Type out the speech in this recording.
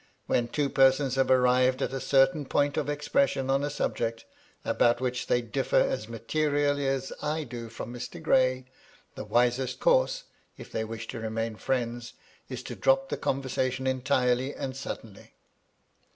When two persons have arrived at a certain point of expression on a subject, about which they differ as materially as I do from Mr. Gray, the wisest course, if they wish to remain friends, is to drop the conversation entirely and suddenly.